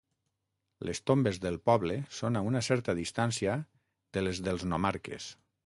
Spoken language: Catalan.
Les tombes del poble són a una certa distància de les dels nomarques.